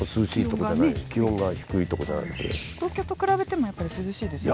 東京と比べても涼しいですよね。